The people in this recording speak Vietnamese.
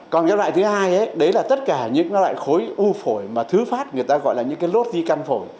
còn cái loại thứ hai đấy là tất cả những loại khối u phổi mà thứ phát người ta gọi là những cái lốt di căn phổi